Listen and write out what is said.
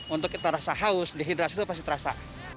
untuk kita rasa haus dehidrasi itu pasti terasa